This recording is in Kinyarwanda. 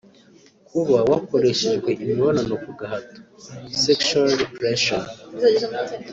Kuba wakoreshejwe imibonano ku gahato (sexual repression )